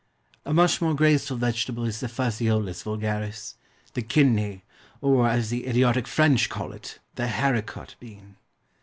A much more graceful vegetable is the Phaseolus vulgaris, the kidney, or, as the idiotic French call it, the haricot bean.